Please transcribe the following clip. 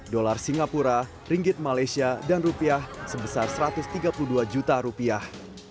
dolar singapura ringgit malaysia dan rupiah sebesar satu ratus tiga puluh dua juta rupiah